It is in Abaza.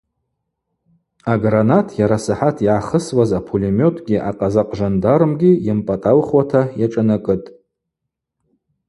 Агранат йарасахӏат йгӏахысуаз апулеметгьи акъазакъжандармгьи йымпӏатӏаухуата йашӏанакӏытӏ.